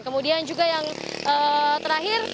kemudian juga yang terakhir